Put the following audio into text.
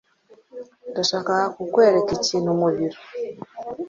Ndashaka kukwereka ikintu mubiro.